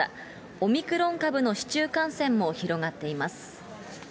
オミクロン株の市中感染も広がっています。